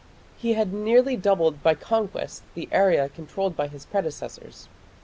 He had nearly doubled by conquest the area controlled by his predecessors.